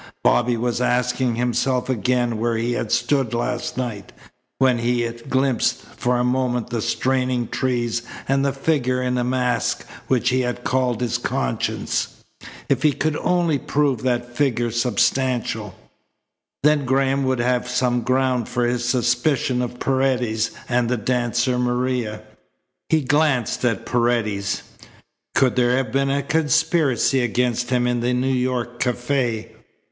Bobby was asking himself again where he had stood last night when he had glimpsed for a moment the straining trees and the figure in a mask which he had called his conscience. If he could only prove that figure substantial! Then Graham would have some ground for his suspicion of Paredes and the dancer Maria. He glanced at Paredes. Could there have been a conspiracy against him in the New York cafe?